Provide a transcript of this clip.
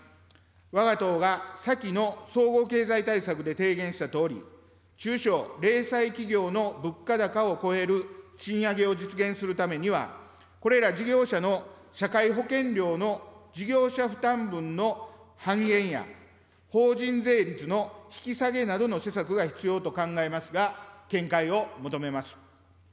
わが党が先の総合経済対策で提言したとおり、中小零細企業の物価高を超える賃上げを実現するためには、これら事業者の社会保険料の事業者負担分の半減や、法人税率の引き下げなどの施策が必要と考えますが、見解を求めます。